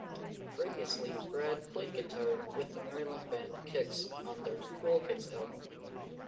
Previously, Brad played guitar with the Maryland band Kix on their "Cool Kids" album.